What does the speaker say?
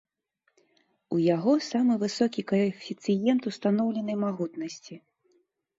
У яго самы высокі каэфіцыент устаноўленай магутнасці.